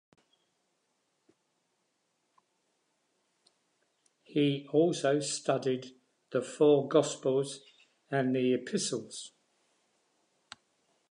He also studied the four gospels and the epistles.